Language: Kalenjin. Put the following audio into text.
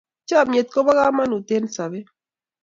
chamiet kobo kamagut eng' sabet